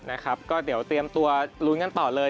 นะครับก็เดี๋ยวเตรียมตัวลุ้นกันต่อเลย